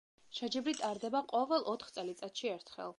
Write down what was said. შეჯიბრი ტარდება ყოველ ოთხ წელიწადში ერთხელ.